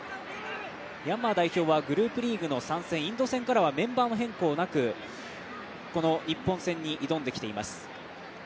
ミャンマー代表はグループリーグの３戦インド戦からはメンバー変更なくこの日本戦に挑んできています。